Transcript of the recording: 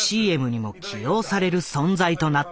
ＣＭにも起用される存在となった。